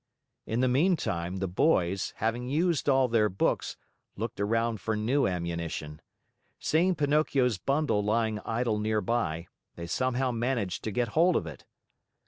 In the meantime, the boys, having used all their books, looked around for new ammunition. Seeing Pinocchio's bundle lying idle near by, they somehow managed to get hold of it.